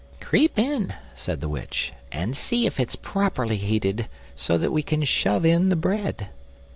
"Creep in," said the witch, "and see if it's properly heated, so that we can shove in the bread."